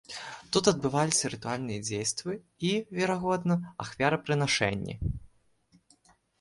Тут адбываліся рытуальныя дзействы і, верагодна, ахвярапрынашэнні.